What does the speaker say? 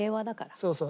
そうそう。